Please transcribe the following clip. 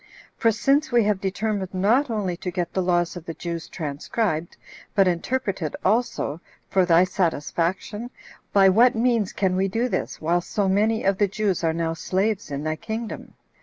For since we have determined not only to get the laws of the Jews transcribed, but interpreted also, for thy satisfaction, by what means can we do this, while so many of the Jews are now slaves in thy kingdom?